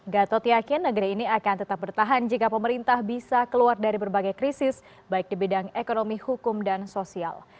gatot yakin negeri ini akan tetap bertahan jika pemerintah bisa keluar dari berbagai krisis baik di bidang ekonomi hukum dan sosial